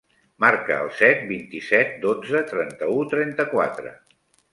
Marca el set, vint-i-set, dotze, trenta-u, trenta-quatre.